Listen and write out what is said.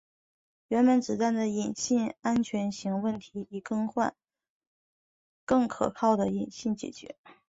原本子弹的引信安全型问题以更换更可靠的引信解决。